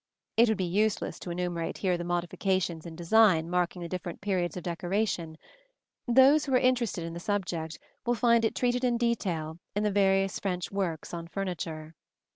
It would be useless to enumerate here the modifications in design marking the different periods of decoration: those who are interested in the subject will find it treated in detail in the various French works on furniture.